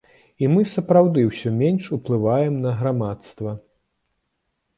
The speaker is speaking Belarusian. І мы сапраўды ўсё менш уплываем на грамадства.